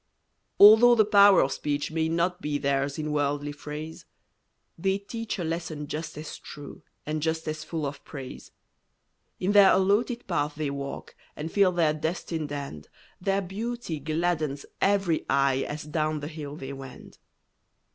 Although the power of speech may not Be theirs in worldly phrase, They teach a lesson just as true, And just as full of praise. In their allotted path they walk, And fill their destined end, Their beauty gladdens every eye, As down the hill they wend.